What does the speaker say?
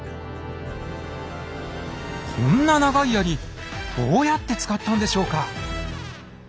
こんな長い槍どうやって使ったんでしょうか？